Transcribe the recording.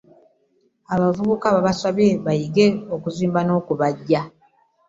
Abavubka basanye bayige okuzimba n'okubajja .